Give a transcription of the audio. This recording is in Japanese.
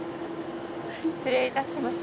失礼いたします。